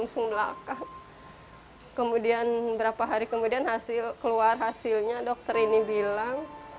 di bnp diambil cairan sumpah belaka kemudian berapa hari kemudian keluar hasilnya dokter ini bilang